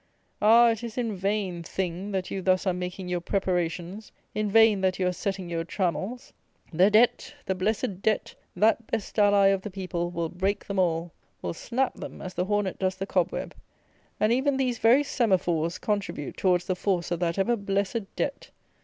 Ah! it is in vain, THING, that you thus are making your preparations; in vain that you are setting your trammels! The DEBT, the blessed debt, that best ally of the people, will break them all; will snap them, as the hornet does the cobweb; and, even these very "Semaphores," contribute towards the force of that ever blessed debt.